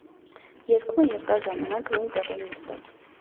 Երգում է երկար ժամանակ նույն տեղում նստած։